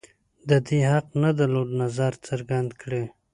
د دې حق نه درلود نظر څرګند کړي